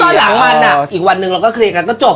ให้ไปซ่อนหลังมันอ่ะอีกวันนึงเราก็เคลียร์กันก็จบ